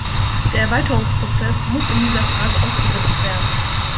Der Erweiterungsprozess muss in dieser Phase ausgesetzt werden.